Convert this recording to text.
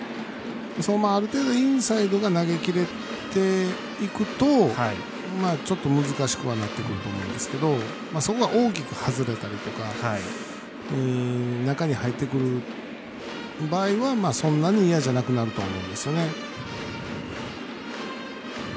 ある程度インサイドが投げきれていくとちょっと難しくはなってくると思うんですけどそこは大きく外れたりとか中に入ってくる場合はそんなに嫌じゃなくなると思うんですよね。